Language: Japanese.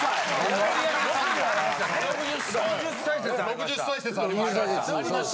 ６０歳説ありました。